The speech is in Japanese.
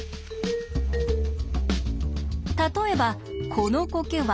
例えばこのコケは４。